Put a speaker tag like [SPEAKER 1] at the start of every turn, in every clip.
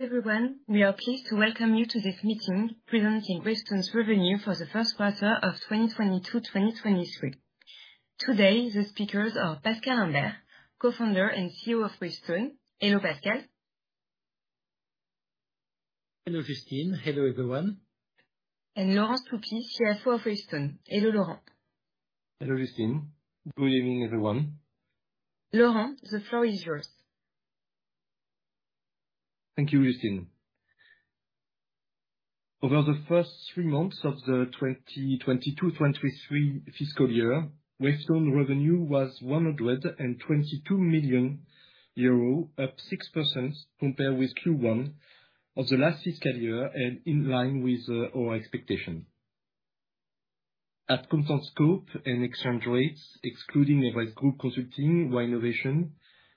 [SPEAKER 1] Everyone, we are pleased to welcome you to this meeting presenting Wavestone's revenue for the first quarter of 2022/2023. Today, the speakers are Pascal Imbert, co-founder and CEO of Wavestone. Hello, Pascal.
[SPEAKER 2] Hello, Justine. Hello, everyone.
[SPEAKER 1] Laurent Stoupy, CFO of Wavestone. Hello, Laurent.
[SPEAKER 3] Hello, Justine. Good evening, everyone.
[SPEAKER 1] Laurent, the floor is yours.
[SPEAKER 3] Thank you, Justine. Over the first three months of the 2022/2023 fiscal year, Wavestone revenue was 122 million euro, up 6% compared with Q1 of the last fiscal year and in line with our expectation. At constant scope and exchange rates, excluding Advancy, Y-Innovation,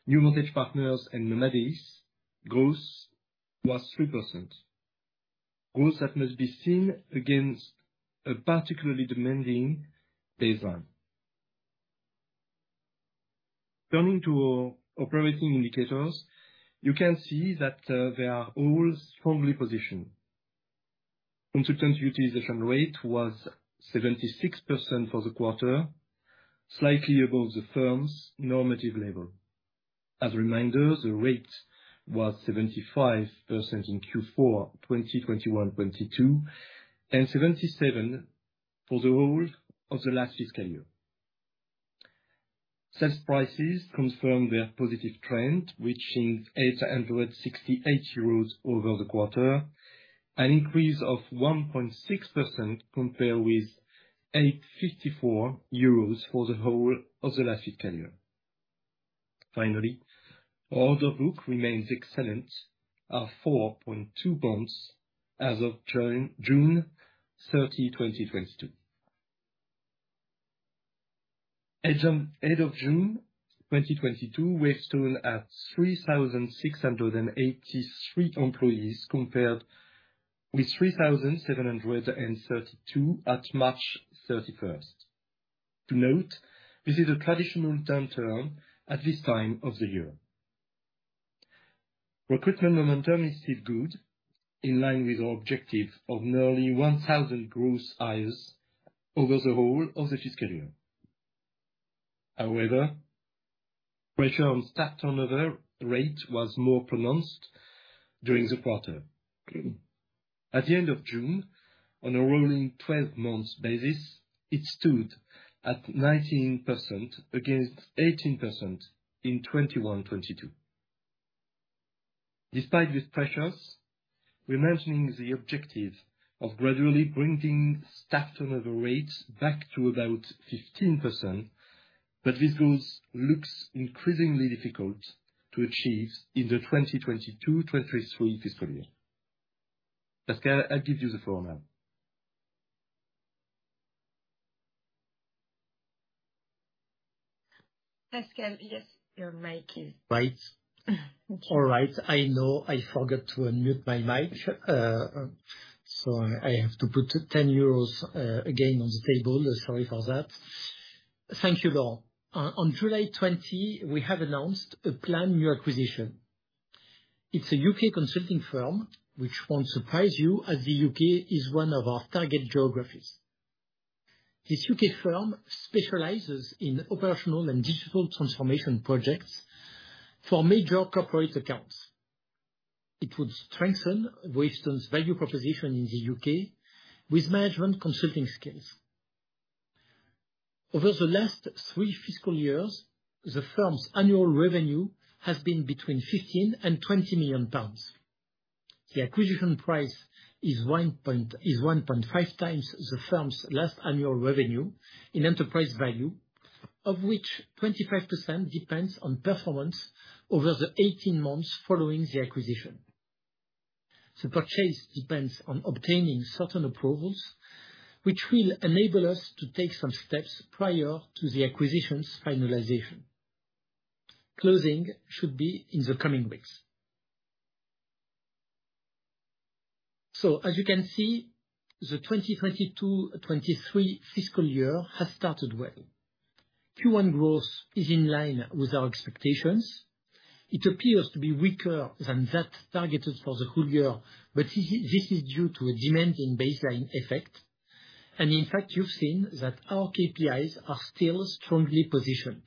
[SPEAKER 3] NewVantage Partners and Nomadis, growth was 3%. Growth that must be seen against a particularly demanding baseline. Turning to our operating indicators, you can see that they are all strongly positioned. Consultant utilization rate was 76% for the quarter, slightly above the firm's normative level. As a reminder, the rate was 75% in Q4 2021/2022, and 77% for the whole of the last fiscal year. Sales prices confirm their positive trend, reaching 868 euros over the quarter, an increase of 1.6% compared with 854 euros for the whole of the last fiscal year. Finally, order book remains excellent, at 4.2 months as of June 30th, 2022. As of end of June 2022, Wavestone had 3,683 employees compared with 3,732 at March 31st. To note, this is a traditional downturn at this time of the year. Recruitment momentum is still good, in line with our objective of nearly 1,000 gross hires over the whole of the fiscal year. However, pressure on staff turnover rate was more pronounced during the quarter. At the end of June, on a rolling twelve months basis, it stood at 19% against 18% in 2021/2022. Despite these pressures, we're maintaining the objective of gradually bringing staff turnover rates back to about 15%, but this growth looks increasingly difficult to achieve in the 2022/2023 fiscal year. Pascal, I give you the floor now.
[SPEAKER 1] Pascal, yes, your mic is.
[SPEAKER 2] Right.
[SPEAKER 1] Thank you.
[SPEAKER 2] All right. I know. I forgot to unmute my mic. So I have to put 10 euros again on the table. Sorry for that. Thank you, Laurent. On July 20th, we have announced a planned new acquisition. It's a U.K. consulting firm which won't surprise you, as the U.K. is one of our target geographies. This U.K. firm specializes in operational and digital transformation projects for major corporate accounts. It would strengthen Wavestone's value proposition in the U.K. with management consulting skills. Over the last three fiscal years, the firm's annual revenue has been between 15 million and 20 million pounds. The acquisition price is 1.5 times the firm's last annual revenue in enterprise value, of which 25% depends on performance over the 18 months following the acquisition. The purchase depends on obtaining certain approvals, which will enable us to take some steps prior to the acquisition's finalization. Closing should be in the coming weeks. As you can see, the 2022/2023 fiscal year has started well. Q1 growth is in line with our expectations. It appears to be weaker than that targeted for the full year, but this is due to a demanding baseline effect. In fact, you've seen that our KPIs are still strongly positioned.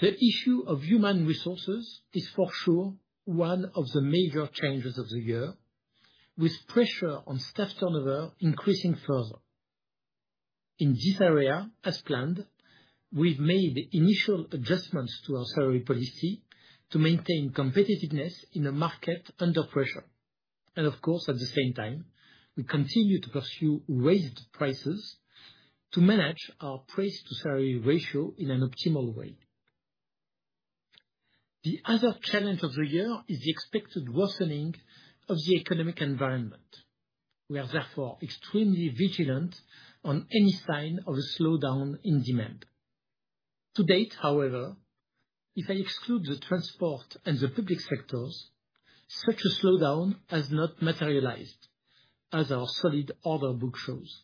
[SPEAKER 2] The issue of human resources is for sure one of the major challenges of the year, with pressure on staff turnover increasing further. In this area, as planned, we've made initial adjustments to our salary policy to maintain competitiveness in a market under pressure. Of course, at the same time, we continue to pursue raised prices to manage our price to salary ratio in an optimal way. The other challenge of the year is the expected worsening of the economic environment. We are therefore extremely vigilant on any sign of a slowdown in demand. To date, however, if I exclude the transport and the public sectors, such a slowdown has not materialized, as our solid order book shows.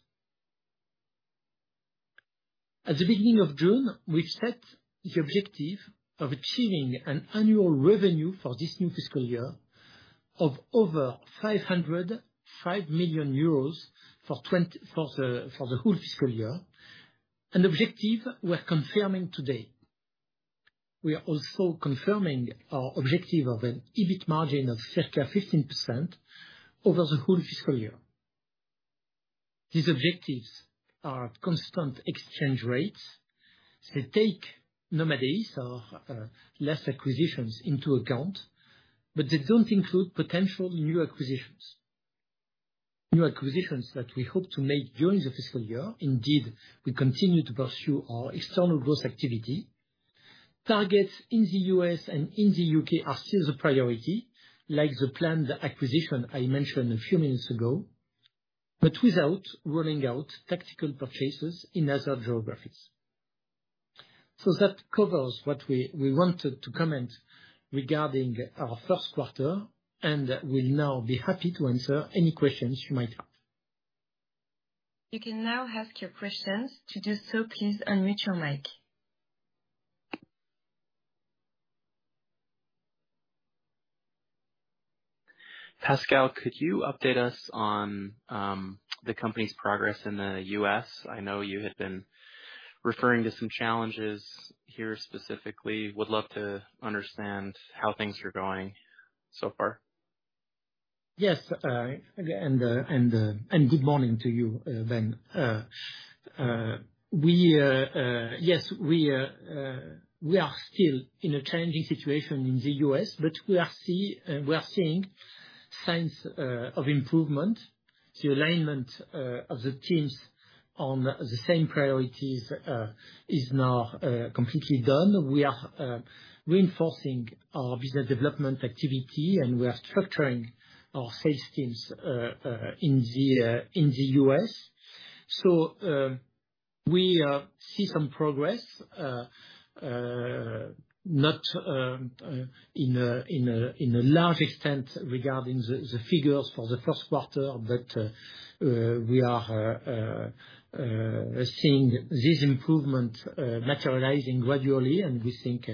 [SPEAKER 2] At the beginning of June, we set the objective of achieving an annual revenue for this new fiscal year of over 505 million euros for the whole fiscal year. An objective we are confirming today. We are also confirming our objective of an EBIT margin of circa 15% over the whole fiscal year. These objectives are at constant exchange rates. They take Nomadis, our latest acquisitions into account, but they don't include potential new acquisitions. New acquisitions that we hope to make during the fiscal year. Indeed, we continue to pursue our external growth activity. Targets in the U.S. and in the U.K. are still the priority, like the planned acquisition I mentioned a few minutes ago, but without ruling out tactical purchases in other geographies. That covers what we wanted to comment regarding our first quarter, and we'll now be happy to answer any questions you might have.
[SPEAKER 1] You can now ask your questions. To do so, please unmute your mic.
[SPEAKER 4] Pascal, could you update us on the company's progress in the U.S.? I know you had been referring to some challenges here specifically. Would love to understand how things are going so far.
[SPEAKER 2] Yes, good morning to you, Ben. We are still in a challenging situation in the U.S., but we are seeing signs of improvement. The alignment of the teams on the same priorities is now completely done. We are reinforcing our business development activity, and we are structuring our sales teams in the U.S. We see some progress, not in a large extent regarding the figures for the first quarter, but we are seeing this improvement materializing gradually, and we think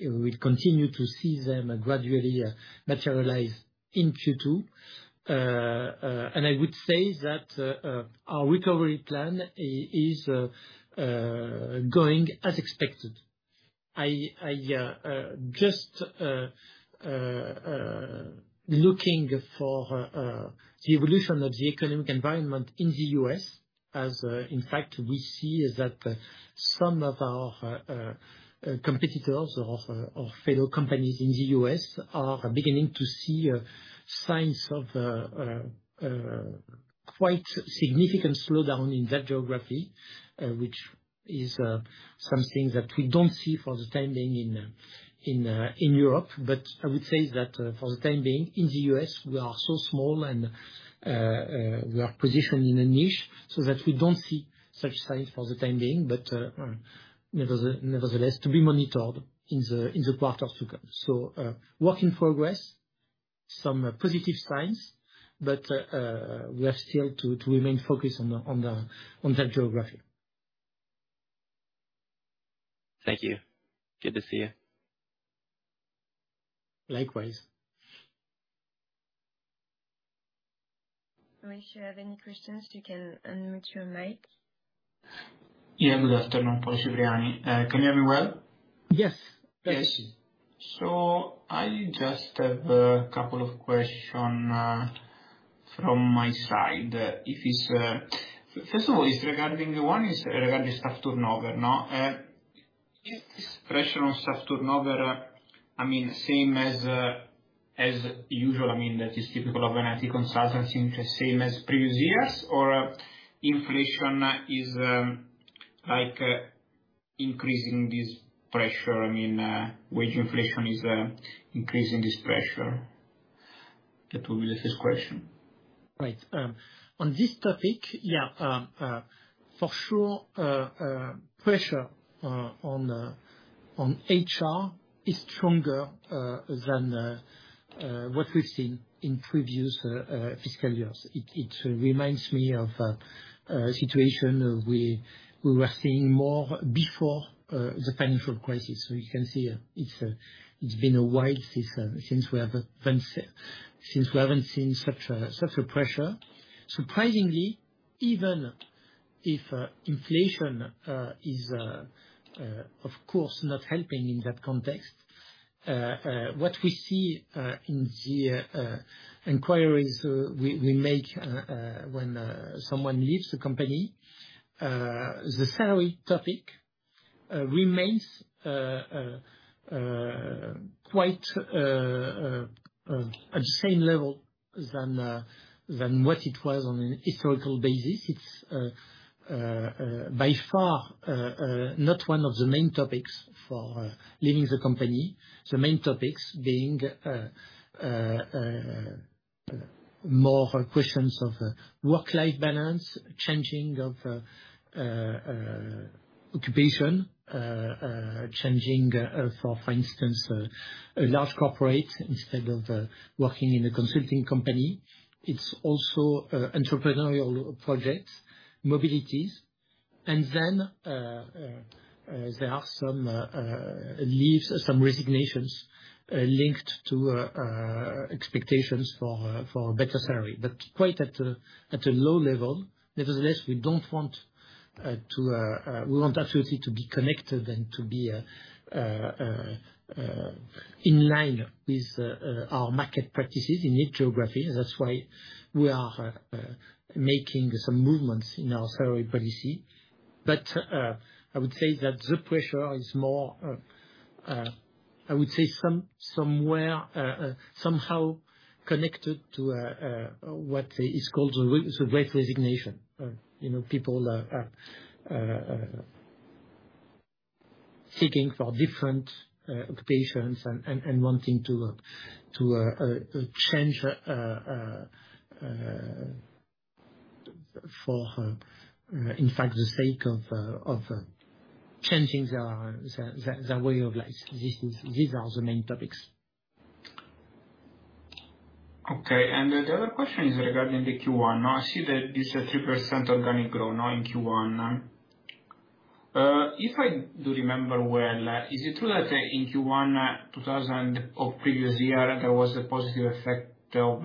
[SPEAKER 2] we'll continue to see them gradually materialize in Q2. I would say that our recovery plan is going as expected. I just looking for the evolution of the economic environment in the U.S., as in fact we see that some of our competitors or fellow companies in the U.S. are beginning to see signs of quite significant slowdown in that geography, which is something that we don't see for the time being in Europe. I would say that for the time being, in the U.S., we are so small and we are positioned in a niche so that we don't see such signs for the time being, but nevertheless, to be monitored in the quarter to come. Work in progress, some positive signs, but we have still to remain focused on that geography.
[SPEAKER 4] Thank you. Good to see you.
[SPEAKER 2] Likewise.
[SPEAKER 1] If you have any questions, you can unmute your mic.
[SPEAKER 5] Yeah. Good afternoon. Paolo Cipriani. Can you hear me well?
[SPEAKER 2] Yes. Yes.
[SPEAKER 5] I just have a couple of questions from my side. First of all, one is regarding staff turnover now. Is this pressure on staff turnover, I mean, same as usual? I mean, that is typical of an IT consultancy, the same as previous years, or inflation is like increasing this pressure? I mean, wage inflation is increasing this pressure. That will be the first question.
[SPEAKER 2] Right. On this topic, yeah, for sure, pressure on HR is stronger than what we've seen in previous fiscal years. It reminds me of a situation we were seeing more before the financial crisis. You can see it's been a while since we haven't seen such a pressure. Surprisingly, even if inflation is of course not helping in that context, what we see in the inquiries we make when someone leaves the company, the salary topic remains quite at the same level than what it was on a historical basis. It's by far not one of the main topics for leaving the company. The main topics being more questions of work-life balance, changing of occupation, for instance, a large corporate instead of working in a consulting company. It's also entrepreneurial projects, mobilities. There are some leaves, some resignations linked to expectations for better salary, but quite at a low level. We want absolutely to be connected and to be in line with our market practices in each geography. That's why we are making some movements in our salary policy. I would say that the pressure is more. I would say somewhere somehow connected to what is called the great resignation. You know, people are seeking for different occupations and wanting to change for, in fact, the sake of changing their way of life. These are the main topics.
[SPEAKER 5] Okay. The other question is regarding the Q1. Now I see that this is a 3% organic growth in Q1. If I do remember well, is it true that in Q1, 2000 of previous year, there was a positive effect of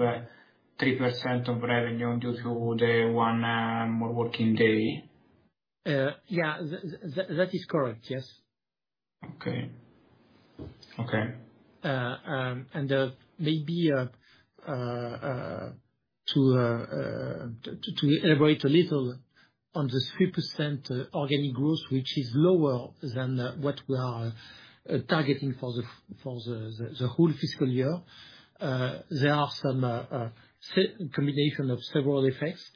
[SPEAKER 5] 3% of revenue due to the one more working day?
[SPEAKER 2] Yeah. That is correct, yes.
[SPEAKER 5] Okay. Okay.
[SPEAKER 2] Maybe to elaborate a little on this 3% organic growth, which is lower than what we are targeting for the whole fiscal year. There are some combination of several effects.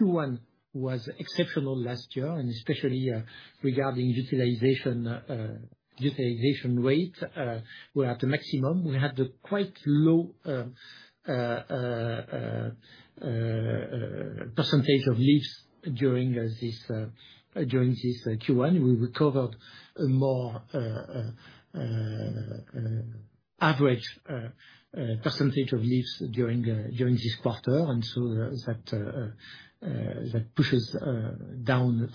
[SPEAKER 2] Q1 was exceptional last year, and especially regarding utilization rate. We're at the maximum. We had a quite low percentage of leaves during this Q1. We recovered a more average percentage of leaves during this quarter, and so that pulls down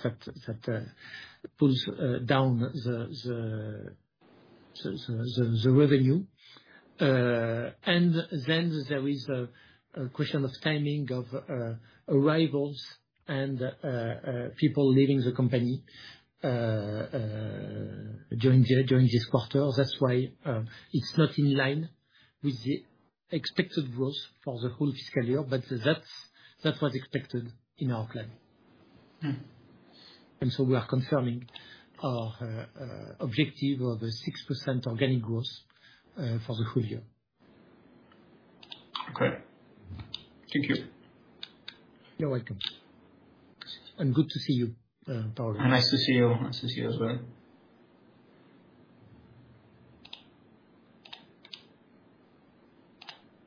[SPEAKER 2] the revenue. There is a question of timing of arrivals and people leaving the company during this quarter. That's why it's not in line with the expected growth for the whole fiscal year, but that was expected in our plan.
[SPEAKER 5] Mm.
[SPEAKER 2] We are confirming our objective of 6% organic growth for the full year.
[SPEAKER 5] Okay. Thank you.
[SPEAKER 2] You're welcome. Good to see you, Paolo.
[SPEAKER 5] Nice to see you, nice to see you as well.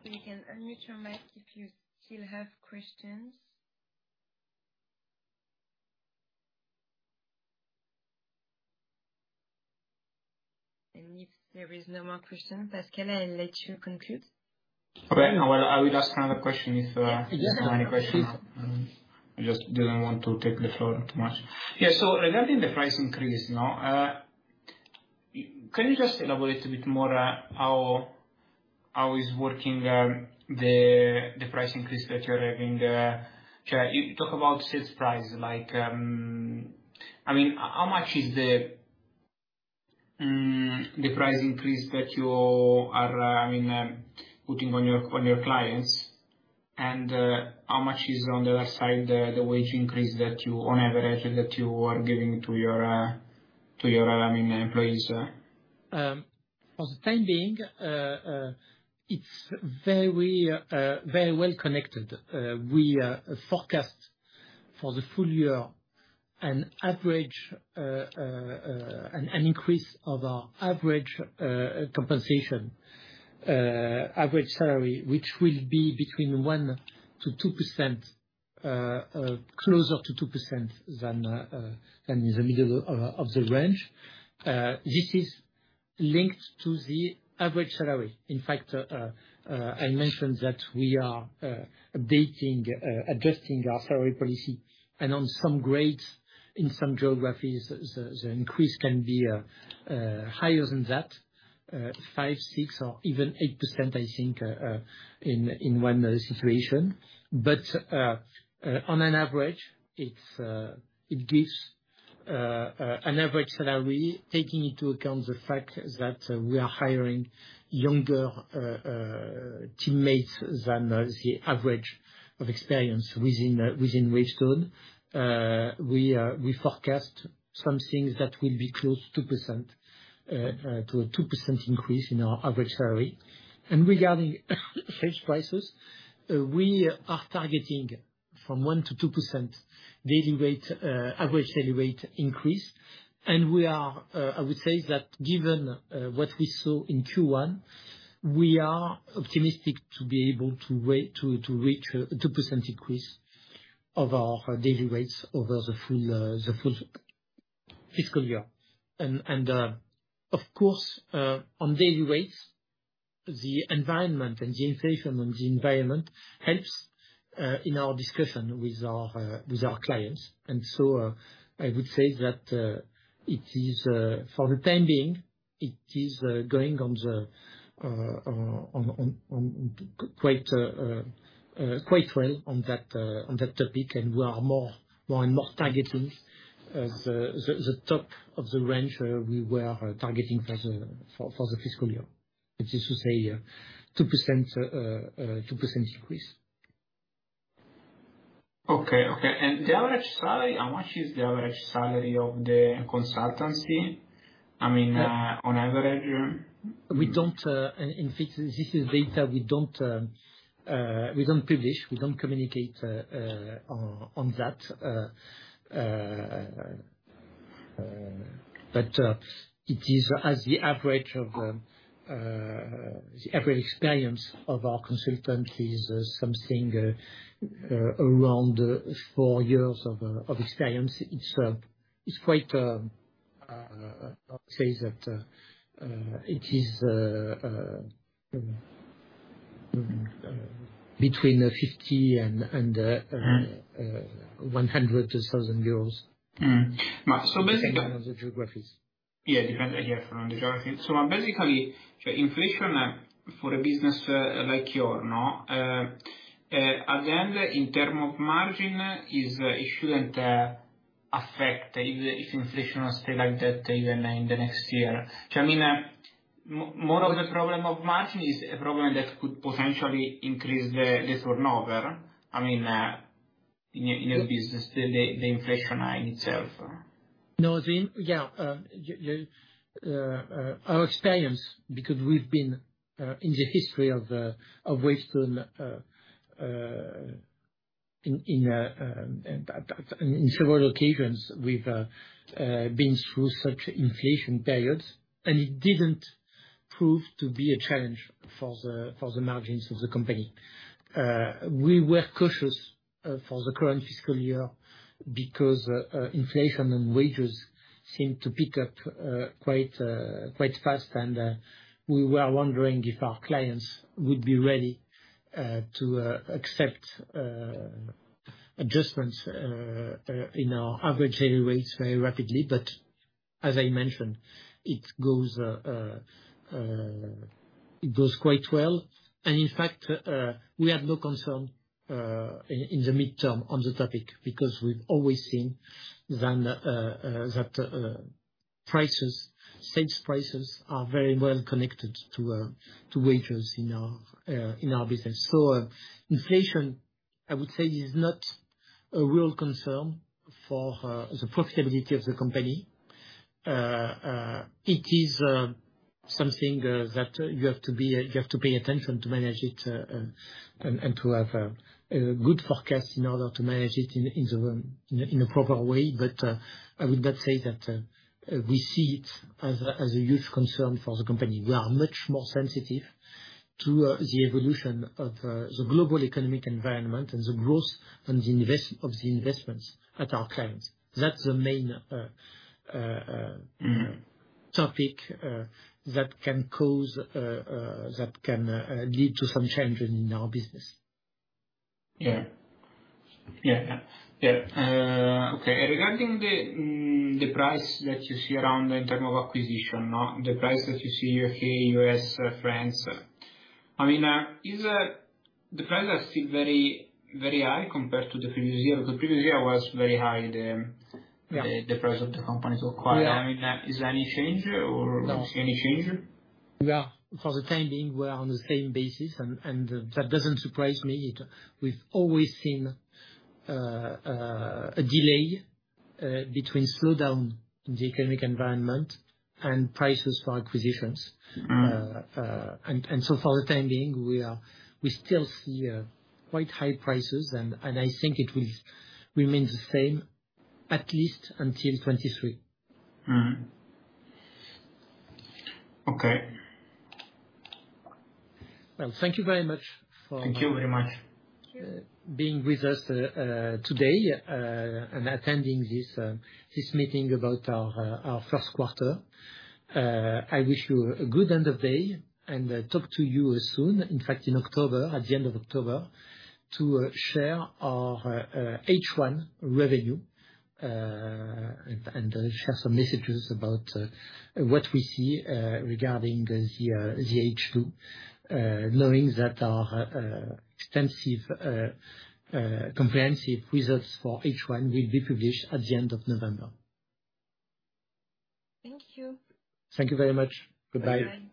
[SPEAKER 1] You can unmute your mic if you still have questions. If there is no more questions, Pascal, I let you conclude.
[SPEAKER 5] Okay. No, well, I will ask another question if
[SPEAKER 2] Yes.
[SPEAKER 5] If there are any questions. I just didn't want to take the floor too much. Yeah. Regarding the price increase now, can you just elaborate a bit more, how it's working, the price increase that you're having here? You talk about sales price, like, I mean, how much is the price increase that you are, I mean, putting on your clients? And how much is on the other side, the wage increase that you, on average, that you are giving to your employees?
[SPEAKER 2] For the time being, it's very well connected. We forecast for the full year an increase of our average compensation average salary, which will be between 1%-2%, closer to 2% than the middle of the range. This is linked to the average salary. In fact, I mentioned that we are updating, adjusting our salary policy. On some grades in some geographies, the increase can be higher than that, 5%, 6% or even 8%, I think, in one situation. On average, it gives an average salary, taking into account the fact that we are hiring younger teammates than the average of experience within Wavestone. We forecast something that will be close to a 2% increase in our average salary. Regarding sales prices, we are targeting 1%-2% average daily rate increase. We are, I would say that given what we saw in Q1, we are optimistic to be able to reach a 2% increase of our daily rates over the full fiscal year. Of course, on daily rates, the environment and the inflation on the environment helps in our discussion with our clients. I would say that it is. For the time being, it is going on quite well on that topic, and we are more and more targeting the top of the range we were targeting for the fiscal year. Which is to say, 2% increase.
[SPEAKER 5] The average salary, how much is the average salary of the consultancy? I mean, on average.
[SPEAKER 2] We don't. In fact, this is data we don't publish. We don't communicate on that. It is the average experience of our consultant is something around four years of experience. It's quite. I'd say that it is between 50 and-
[SPEAKER 5] Mm-hmm...
[SPEAKER 2] uh, one hundred thousand euros.
[SPEAKER 5] Mm-hmm. So basically-
[SPEAKER 2] Depending on the geographies.
[SPEAKER 5] It depends on the geography. Basically, the inflation for a business like yours, no? At the end, in terms of margin, it shouldn't affect if inflation will stay like that even in the next year. I mean, more of the problem of margin is a problem that could potentially increase the turnover. I mean, in a business, the inflation in itself.
[SPEAKER 2] No. Yeah, our experience, because we've been in the history of Wavestone in several occasions, we've been through such inflation periods, and it didn't prove to be a challenge for the margins of the company. We were cautious for the current fiscal year because inflation and wages seemed to pick up quite fast. We were wondering if our clients would be ready to accept adjustments in our average daily rates very rapidly. As I mentioned, it goes quite well. In fact, we have no concern in the midterm on the topic, because we've always seen that prices, sales prices are very well connected to wages in our business. Inflation, I would say, is not a real concern for the profitability of the company. It is something that you have to pay attention to manage it, and to have a good forecast in order to manage it in a proper way. I would not say that we see it as a huge concern for the company. We are much more sensitive to the evolution of the global economic environment and the growth and the investments at our clients. That's the main.
[SPEAKER 5] Mm-hmm
[SPEAKER 2] Topic that can lead to some changes in our business.
[SPEAKER 5] Yeah. Okay. Regarding the price that you see around in terms of acquisition, no? The price that you see U.K., U.S., France. I mean, is the prices are still very, very high compared to the previous year? Because the previous year was very high.
[SPEAKER 2] Yeah
[SPEAKER 5] the price of the companies acquired.
[SPEAKER 2] Yeah.
[SPEAKER 5] I mean, is there any change or?
[SPEAKER 2] No.
[SPEAKER 5] Do you see any change?
[SPEAKER 2] We are, for the time being, we are on the same basis and that doesn't surprise me. We've always seen a delay between slowdown in the economic environment and prices for acquisitions.
[SPEAKER 5] Mm-hmm.
[SPEAKER 2] For the time being, we still see quite high prices, and I think it will remain the same at least until 2023.
[SPEAKER 5] Mm-hmm. Okay.
[SPEAKER 2] Well, thank you very much for.
[SPEAKER 5] Thank you very much....
[SPEAKER 2] being with us today and attending this meeting about our first quarter. I wish you a good end of day, and I talk to you soon, in fact, in October, at the end of October, to share our H1 revenue and share some messages about what we see regarding the H2. Knowing that our comprehensive results for H1 will be published at the end of November.
[SPEAKER 4] Thank you.
[SPEAKER 2] Thank you very much. Goodbye.